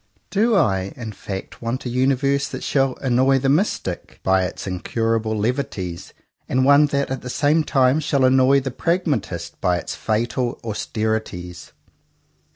Do I, in fact, want a universe that shall annoy the mystic by its incurable levities, and one that, at the same time, shall annoy the pragmatist by its fatal austerities?